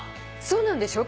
そうなんでしょ？